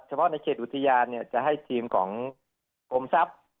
เฉพาะในเขตอุติยานเนี่ยจะให้ทีมของกรมทรัพย์